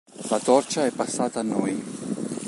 La torcia è passata a noi".